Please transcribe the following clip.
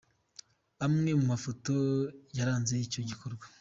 Amwe mu mafoto yaranze icyo gikorwa :.